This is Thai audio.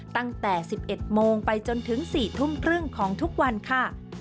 ตั้งแต่๑๑โมงไปจนถึง๔ทุ่มครึ่งของทุกวันค่ะ